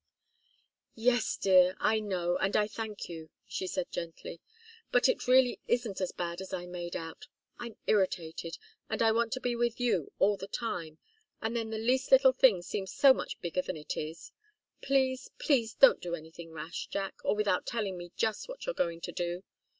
"Yes, dear; I know and I thank you," she said, gently. "But it really isn't as bad as I made out. I'm irritated, and I want to be with you all the time, and then the least little thing seems so much bigger than it is. Please, please don't do anything rash, Jack, or without telling me just what you're going to do!